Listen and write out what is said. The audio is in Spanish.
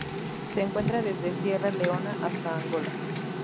Se encuentra desde Sierra Leona hasta Angola.